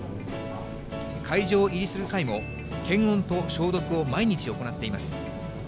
会場入りする際も、検温と消毒を毎日行っています。